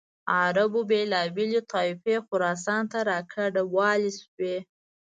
عربو بېلابېلې طایفې خراسان ته را کډوالې شوې.